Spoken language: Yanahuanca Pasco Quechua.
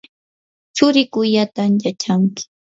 tsurikuyllatam yachanki.